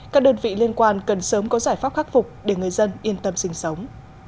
các đơn vị liên quan cần sớm có giải pháp khắc phục để người dân yên tâm sinh sống